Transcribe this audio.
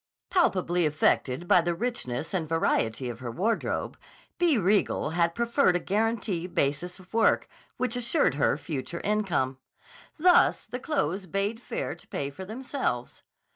Palpably affected by the richness and variety of her wardrobe, B. Riegel had proffered a guarantee basis of work which assured her future income. Thus the clothes bade fair to pay for themselves.